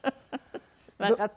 わかった。